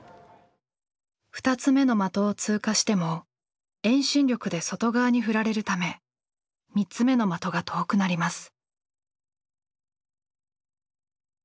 ２つ目の的を通過しても遠心力で外側に振られるため３つ目の的が遠くなります。